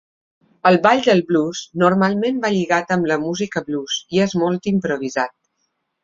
El ball del blues normalment va lligat amb la música blues i és molt improvisat.